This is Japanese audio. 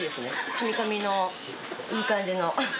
かみかみのいい感じの。